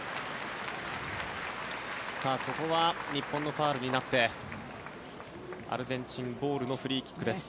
ここは日本のファウルになってアルゼンチンボールのフリーキックです。